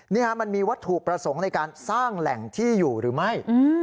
นี่มันมีวัตถุประสงค์ในการสร้างแหล่งที่อยู่หรือไม่